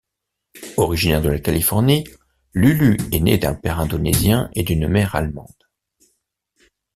Originaire de la Californie, Lulu est née d'un père indonésien et d'une mère allemande.